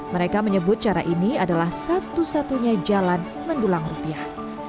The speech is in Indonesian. mereka menyebut cara ini adalah satu satunya jalan mendulang rupiah